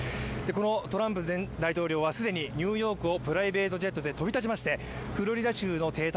トランプ前大統領は既にニューヨークをプライベートジェットで飛び立ちましてフロリダ州の邸宅